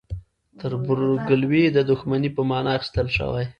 تربورګلوي د دښمنۍ په معنی اخیستل شوی.